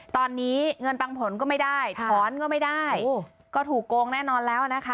ตอนนี้เงินปังผลก็ไม่ได้ถอนก็ไม่ได้ก็ถูกโกงแน่นอนแล้วนะคะ